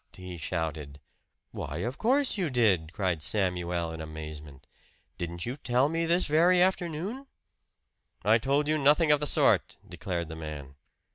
he shouted. "Why, of course you did!" cried Samuel in amazement. "Didn't you tell me this very afternoon?" "I told you nothing of the sort!" declared the man.